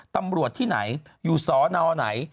ตำรวจที่ไหนอยู่สอนอไหน